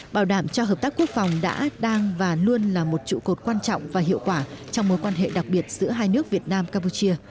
bảo đảm cho hợp tác quốc phòng đã đang và luôn là một trụ cột quan trọng và hiệu quả trong mối quan hệ đặc biệt giữa hai nước việt nam campuchia